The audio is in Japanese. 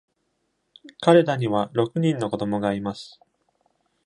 彼らには六人の子供がいます。